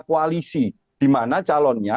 koalisi di mana calonnya